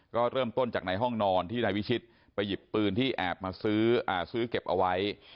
ก็เริ่มต้นจากในห้องนอนที่นายวิชิตไปหยิบปืนที่แอบมาซื้อเก็บเอาไว้